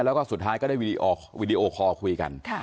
แล้วก็สุดท้ายก็ได้วีดีโอคอลคุยกัน